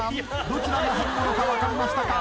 どちらが本物か分かりましたか